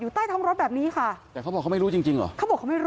แต่เขาบอกของเขาไม่รู้จริงเหรอ